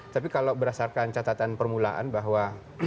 tapi kalau berdasarkan catatan permulaan bahwa